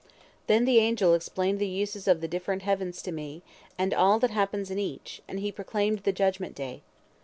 "Then the angel explained the uses of the different heavens to me, and all that happens in each, and he proclaimed the judgment day.